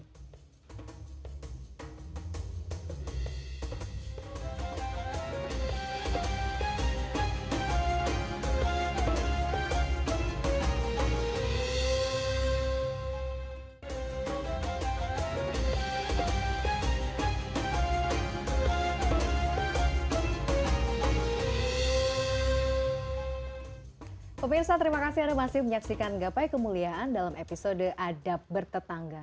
pak mirza terima kasih anda masih menyaksikan gapai kemuliaan dalam episode adab bertetangga